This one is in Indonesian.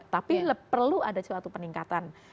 tapi perlu ada suatu peningkatan